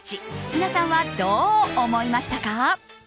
皆さんはどう思いましたか？